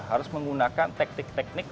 harus menggunakan teknik teknik